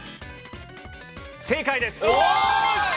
正解です。